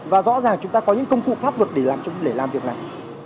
và rõ ràng chúng ta có những công cụ pháp luật để làm việc này